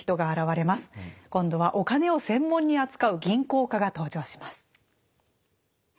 今度はお金を専門に扱う銀行家が登場します。